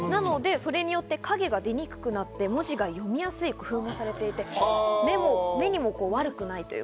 それによって影が出にくくなって、文字が読みやすい工夫がされていて目にも悪くない。